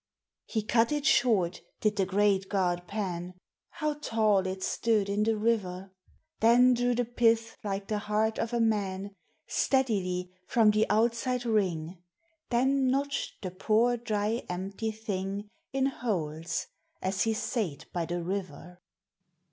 He cut it short, did the great god Pan, (How tall it stood in the river !) Then drew the pith like the heart of a man, 86 MYTHICAL: LEGENDARY. 87 Steadily from the outside ring, Then notched the poor dry empty thing In holes, as he sate by the river.